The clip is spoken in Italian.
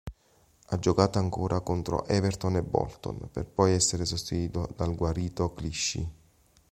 Ha giocato ancora contro Everton e Bolton, per poi essere sostituito dal guarito Clichy.